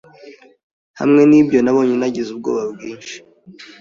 hamwe nibyo nabonye nagize ubwoba bwinshi